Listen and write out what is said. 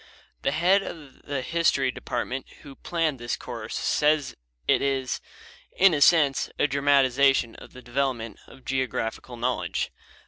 The head of the history department who planned this course says it is "in a sense a dramatization of the development of geographical knowledge."